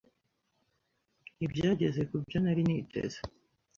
Ntibyageze kubyo nari niteze.